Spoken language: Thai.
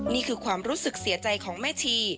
นี่คือความรู้สึกเสียใจของแม่ชี